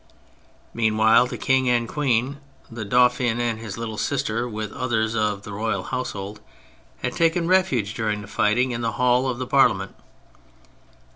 Meanwhile the King and Queen, the Dauphin and his little sister, with others of the royal household, had taken refuge during the fighting in the hall of the Parliament.